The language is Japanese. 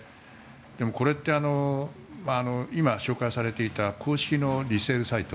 でも、これって今紹介されていた公式のリセールサイト